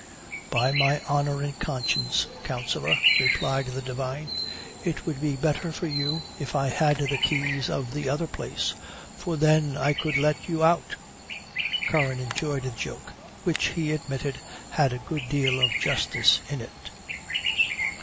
"'By my honor and conscience, Counsellor,' replied the divine, 'it would be better for you if I had the keys of the other place, for then I could let you out' Curran enjoyed the joke, which, he admitted, had a good deal of justice in it."